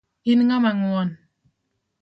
In ing'ama ngwon.